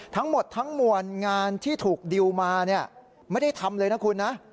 ทั้งหมดทั้งมวลงานที่ถูกดิวมาไม่ได้ทำเลยนะคุณนะ